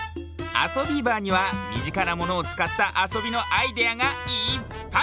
「あそビーバー」にはみぢかなものをつかったあそびのアイデアがいっぱい！